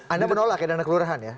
anda menolak ya dana kelurahan ya